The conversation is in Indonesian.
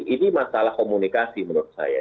ini masalah komunikasi menurut saya